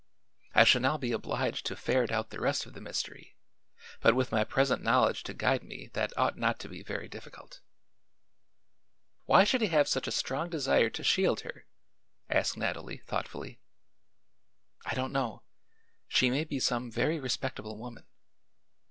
I shall now be obliged to ferret out the rest of the mystery, but with my present knowledge to guide me that ought not to be very difficult." "Why should he have such a strong desire to shield her?" asked Nathalie thoughtfully. "I don't know. She may be some very respectable woman."